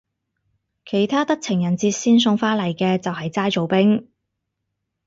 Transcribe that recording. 其他得情人節先送花嚟嘅就係齋做兵